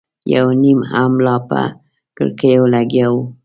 یو نيم هم لا په کړکيو لګیا و.